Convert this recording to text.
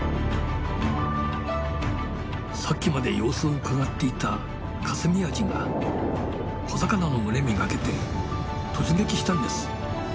さっきまで様子をうかがっていたカスミアジが小魚の群れ目がけて突撃したんです。